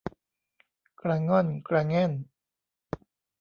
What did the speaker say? กระง่อนกระแง่น